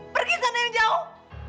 pergi sana yang jauh